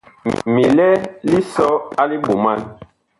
Mi lɛ lisɔ a liɓoman.